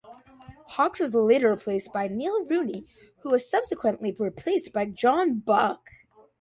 Hawkes was later replaced by Neil Rooney; who was subsequently replaced by John Buck.